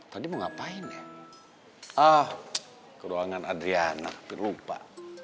tadi mau ngapain ya ah ke ruangan adriana lupa